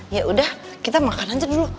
ya udah kita makan aja dulu